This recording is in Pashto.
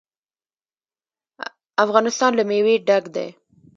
افغانستان له مېوې ډک دی.